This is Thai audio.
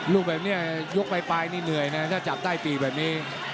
ลูกแบบนี้ยกปลายนี่เหนื่อยนะถ้าจับได้ปีกแบบนี้